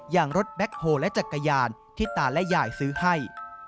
อย่างรถแบ็คโฮลและจักรยานที่ตาและยายซื้อให้